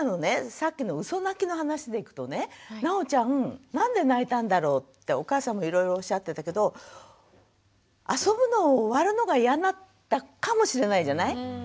さっきのうそ泣きの話でいくとねなおちゃんなんで泣いたんだろうってお母さんもいろいろおっしゃってたけど遊ぶの終わるのが嫌だったかもしれないじゃない？